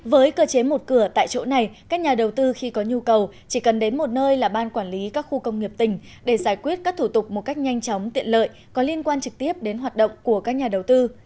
với cơ chế một cửa tại chỗ này các nhà đầu tư khi có nhu cầu chỉ cần đến một nơi là ban quản lý các khu công nghiệp tỉnh để giải quyết các thủ tục một cách nhanh chóng tiện lợi có liên quan trực tiếp đến hoạt động của các nhà đầu tư